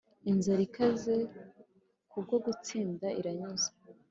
inzara ikaze kubwo gutsinda iranyuzwe,